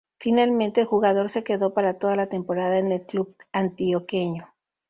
Finalmente, el jugador se quedó para toda la temporada en el club antioqueño.